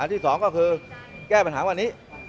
ที่สองก็คือแก้ปัญหาวันนี้